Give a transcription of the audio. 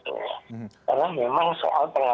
harus menjadi perhatian kita